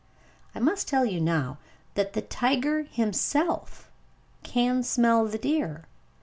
I must tell you now that the tiger himself can smell the deer.